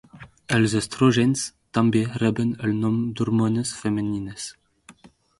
Els estrògens també reben el nom d'hormones femenines.